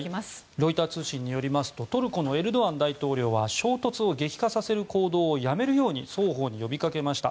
ロイター通信によりますとトルコのエルドアン大統領は衝突を激化させる行動をやめるように双方に呼びかけました。